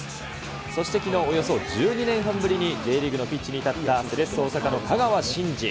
そしてきのう、およそ１２年半ぶりにＪリーグのピッチに立ったセレッソ大阪の香川真司。